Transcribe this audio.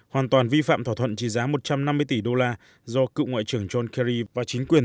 hoàn toàn vi phạm thỏa thuận trị giá một trăm năm mươi tỷ đô la do cựu ngoại trưởng john kerry và chính quyền